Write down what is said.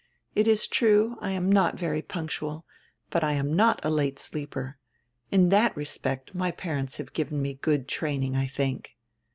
It is true, I am not very punctual, but I am not a late sleeper. In that respect my parents have given me good training, I diink."